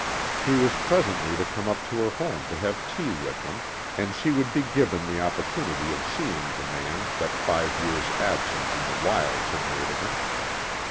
He was presently to come up to her home to have tea with them, and she would be given the opportunity of seeing the man that five years' absence in the wilds had made of him.